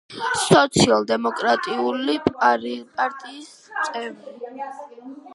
სოციალ-დემოკრატიული პარტიის წევრი.